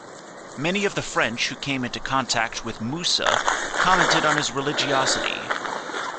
Many of the French who came into contact with Moussa commented on his religiosity.